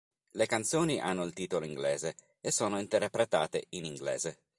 Le canzoni hanno il titolo inglese e sono interpretate in inglese.